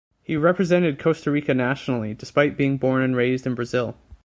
He represented Costa Rica nationally, despite being born and raised in Brazil.